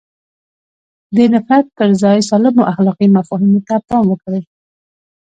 د نفرت پر ځای سالمو اخلاقي مفاهیمو ته پام وکړي.